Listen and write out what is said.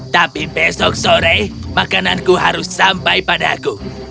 tapi besok sore makananku harus sampai padaku